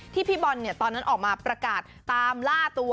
พี่บอลตอนนั้นออกมาประกาศตามล่าตัว